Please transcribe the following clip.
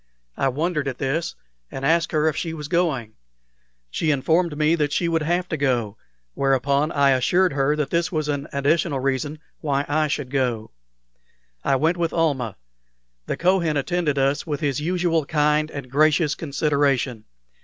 I wondered at this, and asked her if she was going. She informed me that she would have to go, whereupon I assured her that this was an additional reason why I should go. I went with Almah. The Kohen attended us with his usual kind and gracious consideration.